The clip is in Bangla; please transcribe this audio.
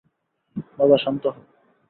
বাবা, শান্ত হও।